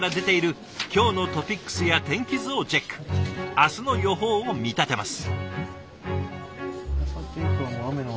明日の予報を見立てます。